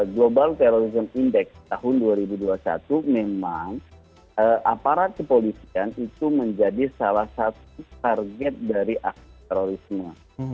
global terorisme index tahun dua ribu dua puluh satu memang aparat kepolisian itu menjadi salah satu target dari aksi terorisme